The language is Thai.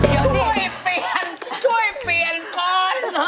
ช่วยเปลี่ยนช่วยเปลี่ยนกรณ์นะ